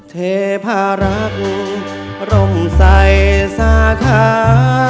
เทผราบุญลมใสสาขา